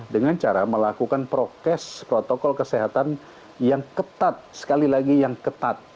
dengan cara melakukan prokes protokol kesehatan yang ketat sekali lagi yang ketat